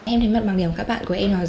em thể mật bằng điểm các bạn